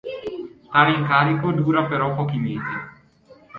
Tale incarico dura però pochi mesi.